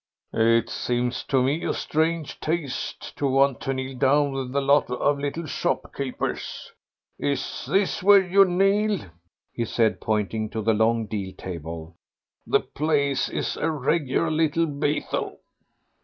"It seems to me a strange taste to want to kneel down with a lot of little shop keepers.... Is this where you kneel?" he said, pointing to the long deal table. "The place is a regular little Bethel."